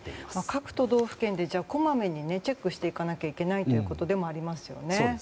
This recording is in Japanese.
各都道府県でこまめにチェックしていかなきゃいけないということでもありますよね。